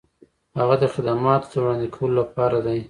هغه د خدماتو د وړاندې کولو لپاره دی.